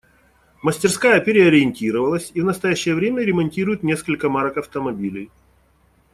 Мастерская переориентировалась и в настоящее время ремонтирует несколько марок автомобилей.